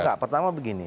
nah pertama begini